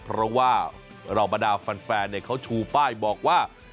เพราะว่ารอบราดาวฟันแฟม่าชูป้ายบอกว่า